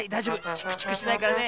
チクチクしないからね。